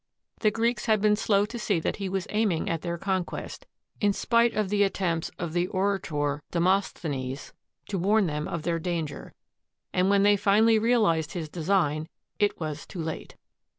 The Greeks had been slow to see that he was aiming at their conquest, in spite of the attempts of the orator Demosthenes to warn them of their danger, and when they finally realized his design, it was too late.